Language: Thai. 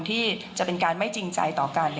ที่จะเป็นการไม่จริงใจต่อกัน